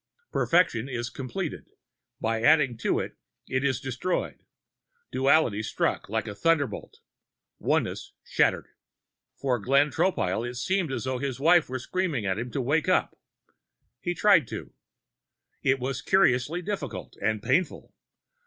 Perfection is completed; by adding to it, it is destroyed. Duality struck like a thunderbolt. Oneness shattered. For Glenn Tropile, it seemed as though his wife were screaming at him to wake up. He tried to. It was curiously difficult and painful.